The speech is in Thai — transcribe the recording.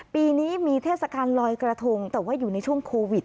ปีนี้มีเทศกาลลอยกระทงแต่ว่าอยู่ในช่วงโควิด